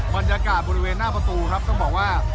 บรรยากาศบริเวณหน้าประตูครับต้องบอกว่า